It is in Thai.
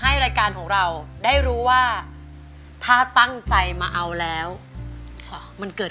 รายการของเราได้รู้ว่าถ้าตั้งใจมาเอาแล้วค่ะมันเกิด